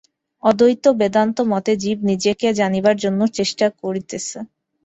অদ্বৈত বেদান্তমতে জীব নিজেকে জানিবার জন্য চেষ্টা করিতেছে।